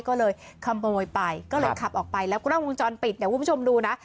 ก็เลยขโมยไปก็เลยขับออกไปแล้วก็นอกวงจรปิดเดี๋ยวคุณผู้ชมดูนะ